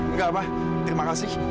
gak apa terima kasih